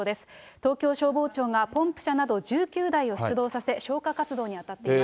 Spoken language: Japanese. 東京消防庁が、ポンプ車など１９台を出動させ、消火活動に当たっています。